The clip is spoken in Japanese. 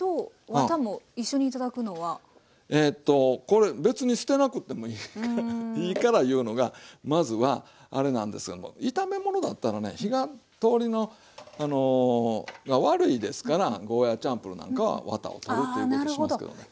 これ別に捨てなくてもいいからいうのがまずはあれなんですが炒め物だったらね火が通りが悪いですからゴーヤーチャンプルーなんかはワタを取るということをしますけどね。